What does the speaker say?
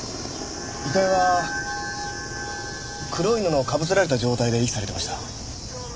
遺体は黒い布をかぶせられた状態で遺棄されてました。